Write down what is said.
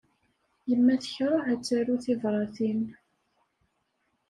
Yemma tekṛeh ad taru tibṛatin.